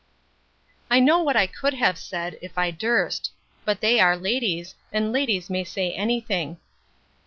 I know what I could have said, if I durst. But they are ladies—and ladies may say any thing.